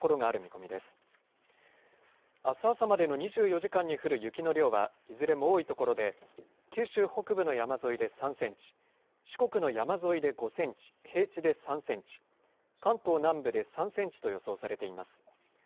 あす朝までの２４時間に降る雪の量は、いずれも多い所で、九州北部の山沿いで３センチ、四国の山沿いで５センチ、平地で３センチ、関東南部で３センチと予想されています。